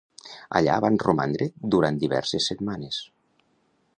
Allà van romandre durant diverses setmanes.